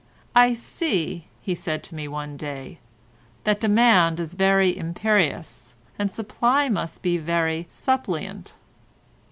"I see," he said to me one day, "that demand is very imperious, and supply must be very suppliant."